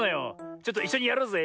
ちょっといっしょにやろうぜ。